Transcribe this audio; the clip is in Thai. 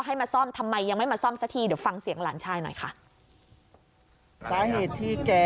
ให้มาซ่อมทำไมยังไม่มาซ่อมสักที